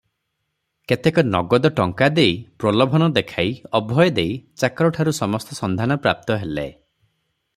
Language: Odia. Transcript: କେତେକ ନଗଦ ଟଙ୍କା ଦେଇ ପ୍ରଲୋଭନ ଦେଖାଇ ଅଭୟ ଦେଇ ଚାକରଠାରୁ ସମସ୍ତ ସନ୍ଧାନ ପ୍ରାପ୍ତ ହେଲେ ।